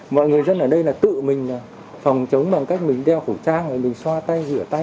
mọi người dân ở đây là tự mình phòng chống bằng cách mình đeo khẩu trang rồi mình xoa tay rửa tay